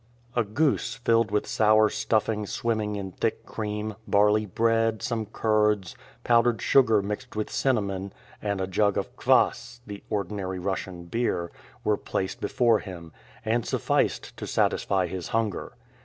A goose filled with sour stuffing swimming in thick cream, barley bread, some curds, powdered sugar mixed with cinnamon, and a jug of kwass, the ordinary Russian beer, were placed before him, and sufficed to satisfy his hunger.